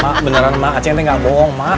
mak beneran mak aceh ini ga bohong mak